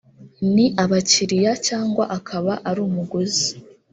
ni abakiriya cyangwa akaba ari umuguzi